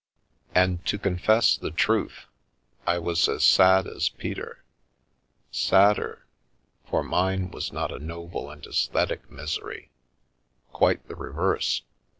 And, to confess the truth, I was as sad as Peter. Sad der, for mine was not a noble and aesthetic misery— quite the reverse.